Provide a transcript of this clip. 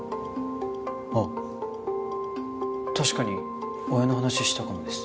あっ確かに親の話したかもです。